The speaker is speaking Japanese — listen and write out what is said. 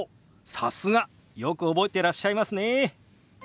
さすが！よく覚えてらっしゃいますね。